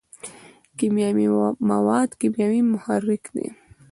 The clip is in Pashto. کیمیاوي مواد کیمیاوي محرک دی.